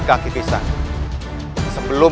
masuklah ke dalam